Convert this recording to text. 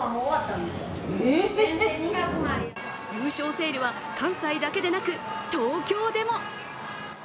優勝セールは関西だけでなく、東京でも！